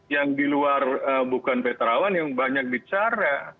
yang di luar bukan pak tirawan yang banyak bicara